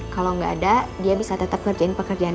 kalau nggak ada dia bisa tetap ngerjain pekerjaan